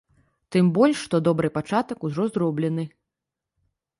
Тым больш, што добры пачатак ужо зроблены.